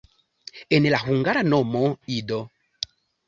En la hungara nomo "id.